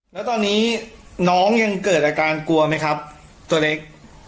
แล้วตอนนี้น้องยังเกิดอาการกลัวไหมครับตัวเล็ก